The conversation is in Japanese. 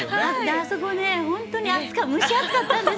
あそこ本当に蒸し暑かったんです。